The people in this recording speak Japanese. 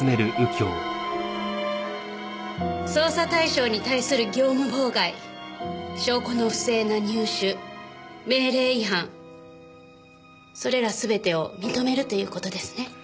捜査対象に対する業務妨害証拠の不正な入手命令違反それらすべてを認めるという事ですね？